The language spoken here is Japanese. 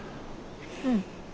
うん。